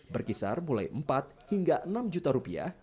berkisar mulai empat hingga enam juta rupiah